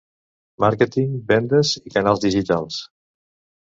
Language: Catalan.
Màrqueting, vendes i canals digitals.